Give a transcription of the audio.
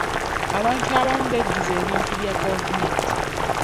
Abantu abamu beddiza ebintu bya gavumenti.